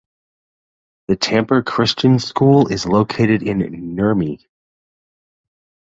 The Tampere Christian School is located in Nurmi.